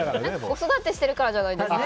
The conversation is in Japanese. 子育てしてるからじゃないですか。